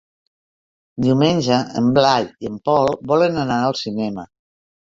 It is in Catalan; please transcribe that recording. Diumenge en Blai i en Pol volen anar al cinema.